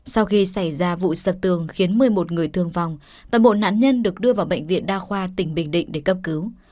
sau khi xảy ra vụ sập tường khiến một mươi một người thương vong toàn bộ nạn nhân được đưa vào bệnh viện đa khoa tỉnh bình định để cấp cứu